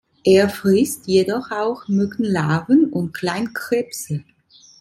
Er frisst jedoch auch Mückenlarven und Kleinkrebse.